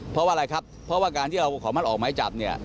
เพราะว่าอะไรครับเพราะว่าการที่เราขอมันออกไม้จับเนี่ย